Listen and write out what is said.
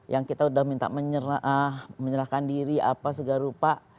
yang kita udah minta menyerahkan diri apa segarupa